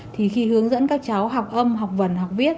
thì khi hướng dẫn các cháu học âm học vần học viết